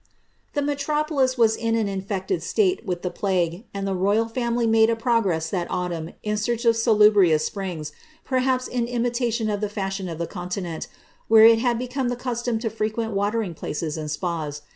''' The metropolis was in an infected state with the plague, and the royal family made a progress that autumn in search of salubrious springs; perhaps in imitation of the fashion of the continent, where it had become the custom to frequent watering places and spas.